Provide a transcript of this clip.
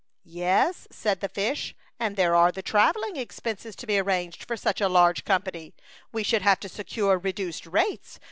" Yes," said the fish, " and there are the travelling expenses to be arranged A Chautauqua Idyl. 29 for such a large company. We should have to secure reduced rates.